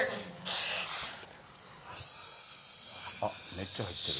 めっちゃ入ってる。